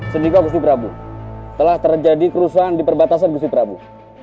sendika gusti prabu telah terjadi kerusuhan di perbatasan gusti prabu